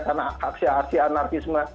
karena aksi aksi anarkisme